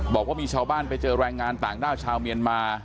บอกว่ามีชาวบ้านไปเจอแรงงานต่างด้าวชาวเมียนมา